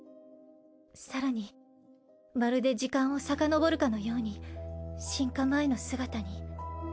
更にまるで時間をさかのぼるかのように進化前の姿に。